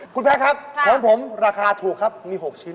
คุณแพทย์ครับของผมราคาถูกครับมี๖ชิ้น